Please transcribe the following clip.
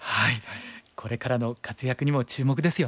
これからの活躍にも注目ですよね。